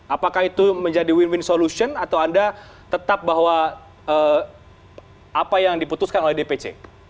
apakah itu menjadi win win solution atau anda tetap bahwa apa yang diputuskan oleh dpc